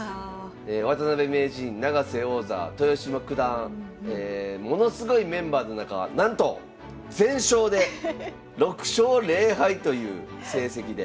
渡辺名人永瀬王座豊島九段ものすごいメンバーの中なんと全勝で６勝０敗という成績で。